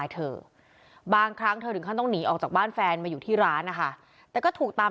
ต้องหนีออกจากบ้านแฟนมาอยู่ที่ร้านนะคะแต่ก็ถูกตาม